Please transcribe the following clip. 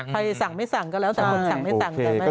สั่งไม่สั่งก็แล้วแต่คนสั่งไม่สั่งใช่ไหม